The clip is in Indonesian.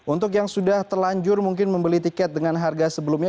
untuk yang sudah terlanjur mungkin membeli tiket dengan harga sebelumnya